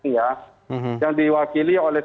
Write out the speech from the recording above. yang diwakili oleh